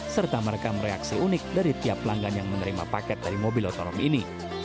serta merekam reaksi unik dari tiap pelanggan yang menerima paket dari mobil otonom ini